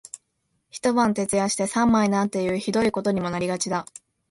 一晩徹夜して三枚なんていう酷いことにもなりがちだ